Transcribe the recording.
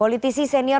oke mas satu dua ti